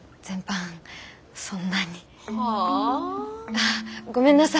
あごめんなさい。